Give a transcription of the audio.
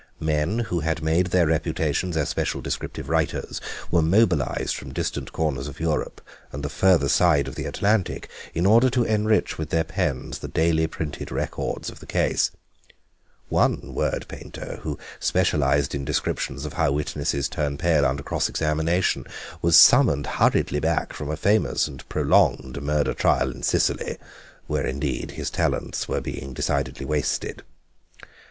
Men who had made their reputations as special descriptive writers were mobilised from distant corners of Europe and the further side of the Atlantic in order to enrich with their pens the daily printed records of the case; one word painter, who specialised in descriptions of how witnesses turn pale under cross examination, was summoned hurriedly back from a famous and prolonged murder trial in Sicily, where indeed his talents were being decidedly wasted.